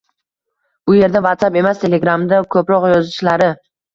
bu yerda WhatsAp emas, Telegram'da ko‘proq yozishishlari